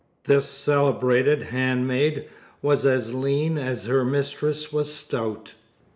This celebrated handmaid was as lean as her mistress was stout.